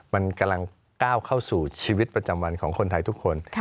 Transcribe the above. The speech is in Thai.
มันกำลังก้าวเข้าสู่ชีวิตประจำวันของคนไทยทุกคน